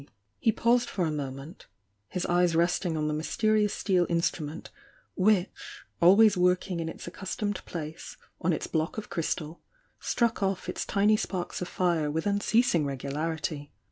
He paused for a moment, his eyes resting on the mysterious steel instrument, which, always working in its accustomed place on its block of crystal, struck off its tiny sparks of fire with unceasing regularity.